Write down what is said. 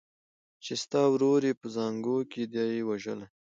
چي ستا ورور یې په زانګو کي دی وژلی